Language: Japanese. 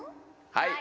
はい！